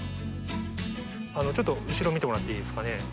ちょっと後ろ見てもらっていいですかね。